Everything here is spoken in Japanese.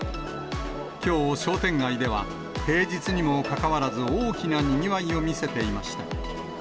きょう、商店街では平日にもかかわらず、大きなにぎわいを見せていました。